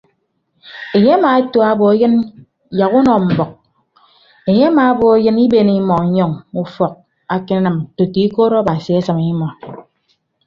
Enye atua obo eyịn yak unọ mbʌk enye amaabo eyịn iben imọ yọñ ufọk kenịm tutu ikoot abasi asịm imọ.